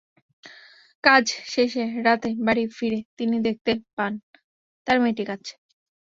কাজ শেষে রাতে বাড়ি ফিরে তিনি দেখতে পান তাঁর মেয়েটি কাঁদছে।